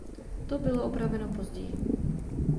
To bylo opraveno později.